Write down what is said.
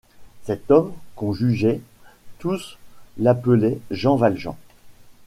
Cet homme qu’on jugeait, tous l’appelaient Jean Valjean!